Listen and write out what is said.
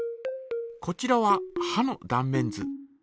こちらははの断面図。